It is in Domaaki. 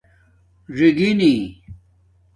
ژِگِنی